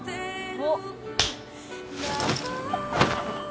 「おっ！」